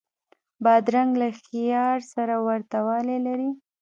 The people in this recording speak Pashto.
بادرنګ له خیار سره ورته والی لري.